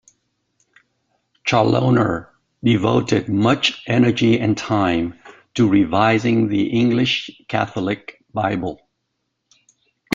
Challoner devoted much energy and time to revising the English Catholic Bible.